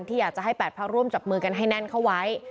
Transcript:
อยากจะให้๘พักร่วมจับมือกันให้แน่นเข้าไว้